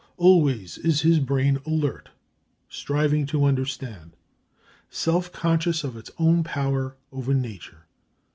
Always is his brain alert, striving to understand, self conscious of its own power over nature.